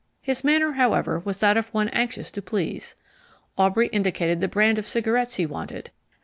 His manner, however, was that of one anxious to please. Aubrey indicated the brand of cigarettes he wanted.